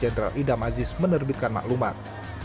jenderal idam aziz menerbitkan maklumat